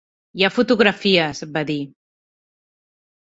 "Hi ha fotografies", va dir.